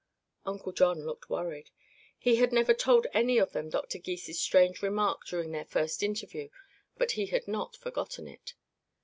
Uncle John looked worried. He had never told any of them of Dr. Gys' strange remark during their first interview, but he had not forgotten it.